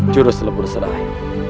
jurus lebur serai